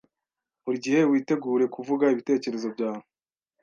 Buri gihe witegure kuvuga ibitekerezo byawe